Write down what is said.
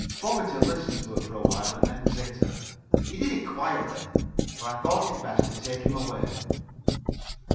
Fogerty listened to her for a while and then bit her. He did it quietly, but I thought it best to take him away.